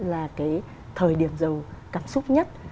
là cái thời điểm giàu cảm xúc nhất